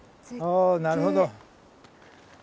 おなるほど。